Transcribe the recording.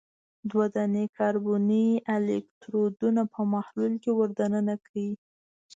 دوه دانې کاربني الکترودونه په محلول کې ور د ننه کړئ.